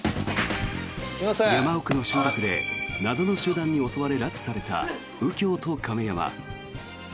山奥の集落で謎の集団に襲われ拉致された右京と亀山。